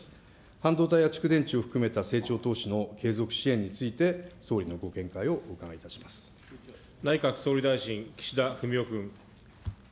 半導体や蓄電池を含めた成長投資の経済支援について、総理のご見内閣総理大臣、岸田文雄君。